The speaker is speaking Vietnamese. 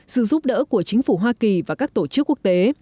sự giúp đỡ của chính phủ hoa kỳ và các tổ chức quốc tế